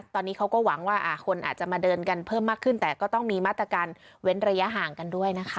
ตอนนี้เขาก็หวังว่าคนอาจจะมาเดินกันเพิ่มมากขึ้นแต่ก็ต้องมีมาตรการเว้นระยะห่างกันด้วยนะคะ